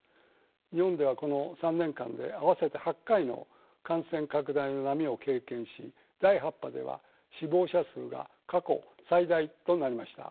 日本ではこの３年間で合わせて８回の感染拡大の波を経験し第８波では死亡者数が過去最大となりました。